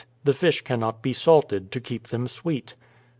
The fish cannot be salted, to keep them sweet.